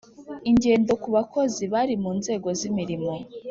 ingendo ku Bakozi bari mu nzego z imirimo